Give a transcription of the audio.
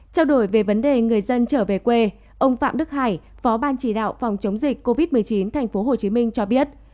trao đổi về vấn đề người dân trở về quê ông phạm đức hải phó ban chỉ đạo phòng chống dịch covid một mươi chín tp hcm cho biết